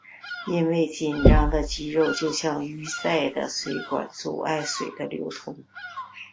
因为紧张的肌肉就像淤塞的水管阻碍水的流通。